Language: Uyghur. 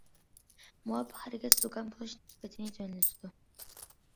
مۇۋاپىق ھەرىكەت زۇكام بولۇش نىسبىتىنى تۆۋەنلىتىدۇ.